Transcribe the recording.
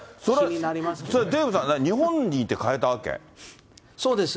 それ、デーブさん、そうです。